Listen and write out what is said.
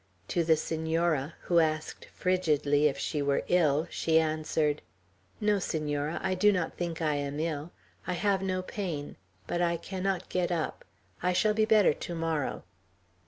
To the Senora, who asked frigidly if she were ill, she answered: "No, Senora, I do not think I am ill, I have no pain, but I cannot get up. I shall be better to morrow."